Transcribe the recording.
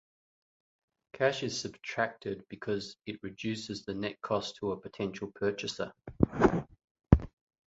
Cash is subtracted because it reduces the net cost to a potential purchaser.